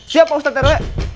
siap pak ustadz rw